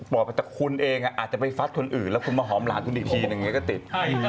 บอกไปแต่คุณเองอาจจะไปฟัดคนอื่นแล้วคุณมาหอมหลานคุณอีกทีนึงอย่างนี้ก็ติด